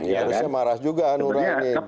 harusnya marah juga hanura